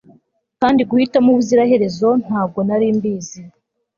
kandi guhitamo ubuziraherezo ntabwo nari mbizi